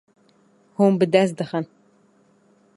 Hûn bi dest dixin.